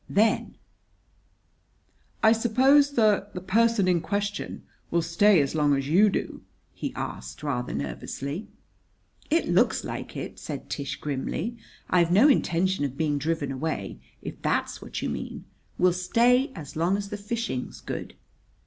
Then: "I suppose the the person in question will stay as long as you do?" he asked, rather nervously. "It looks like it," said Tish grimly. "I've no intention of being driven away, if that's what you mean. We'll stay as long as the fishing's good."